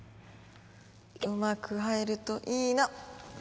うまく入るといいな！